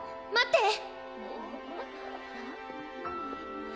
待って！